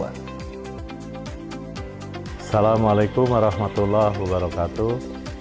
assalamualaikum warahmatullah wabarakatuh